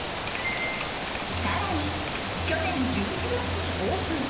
更に、去年１１月にオープン。